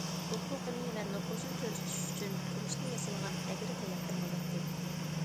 ھوقۇقىنى ۋە نوپۇزىنى كۆرسىتىش ئۈچۈن كۈمۈشتىن ياسالغان ئەگرى تاياق ئېلىۋالاتتى.